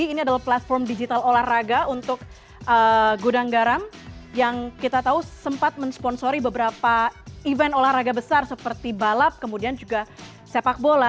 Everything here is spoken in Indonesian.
ini adalah platform digital olahraga untuk gudang garam yang kita tahu sempat mensponsori beberapa event olahraga besar seperti balap kemudian juga sepak bola